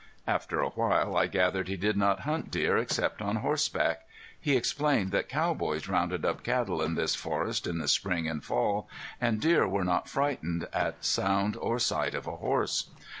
After a while I gathered he did not hunt deer except on horseback. He explained that cowboys rounded up cattle in this forest in the spring and fall, and deer were not frightened at sound or sight of a horse.